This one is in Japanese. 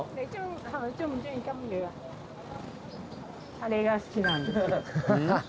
あれが好きなんですはははっ